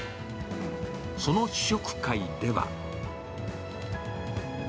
その試食会では。